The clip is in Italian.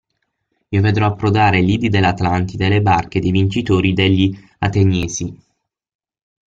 Io vedrò approdare ai lidi dell'Atlantide le barche dei vincitori degli Ateniesi.